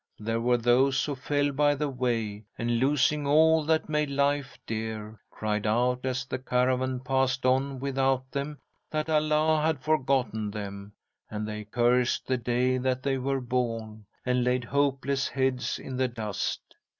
There were those who fell by the way, and, losing all that made life dear, cried out as the caravan passed on without them that Allah had forgotten them; and they cursed the day that they were born, and laid hopeless heads in the dust.